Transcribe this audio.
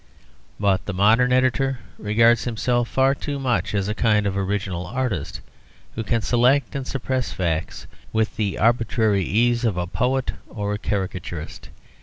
But the modern editor regards himself far too much as a kind of original artist, who can select and suppress facts with the arbitrary ease of a poet or a caricaturist.